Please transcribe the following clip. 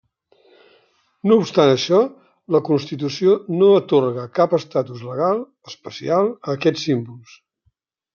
No obstant això, la Constitució no atorga cap estatus legal especial a aquests símbols.